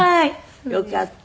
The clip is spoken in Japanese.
よかった。